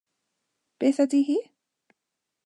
Beth ydy hi?